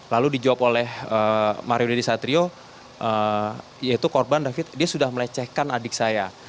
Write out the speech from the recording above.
lalu dijawab oleh mario dandisatrio yaitu korban david dia sudah melecehkan adik saya